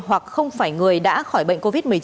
hoặc không phải người đã khỏi bệnh covid một mươi chín